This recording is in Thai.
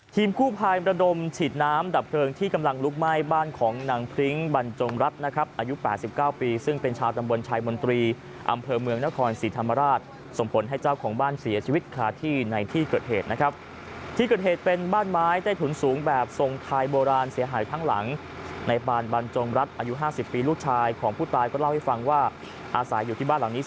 ทีมคู่ภายประดมฉีดน้ำดับเคริงที่กำลังลุกไหม้บ้านของหนังพริ้งบรรจงรัฐนะครับอายุ๘๙ปีซึ่งเป็นชาวจำบวนชายมนตรีอำเภอเมืองนครสีธรรมราชส่งผลให้เจ้าของบ้านเสียชีวิตคลาที่ในที่เกิดเหตุนะครับที่เกิดเหตุเป็นบ้านไม้ได้ถุนสูงแบบทรงทายโบราณเสียหายทั้งหลังในบ้านบรรจงรัฐอ